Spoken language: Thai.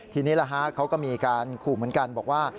ทีนี้เขาก็มีการขู่เหมือนกันบอกว่า